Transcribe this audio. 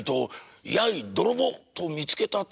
『やい泥棒』と見つけたつもり」。